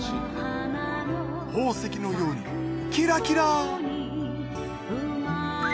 宝石のようにキラキラ！